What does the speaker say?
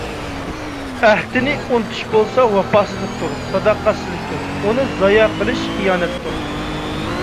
ئەھدىنى ئۇنتۇش بولسا، ۋاپاسىزلىقتۇر، ساداقەتسىزلىكتۇر. ئۇنى زايە قىلىش خىيانەتتۇر.